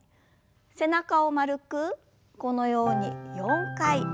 背中を丸くこのように４回ゆすります。